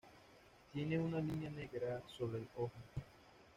Tiene una línea negra sobre el ojo.